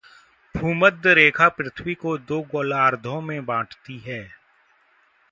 भूमध्य रेखा पृथ्वी को दो गोलार्धों में बांटती है।